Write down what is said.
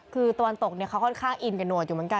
คือตอนตตกเขาค่อนข้างอิ่งกับหนวดค่ะ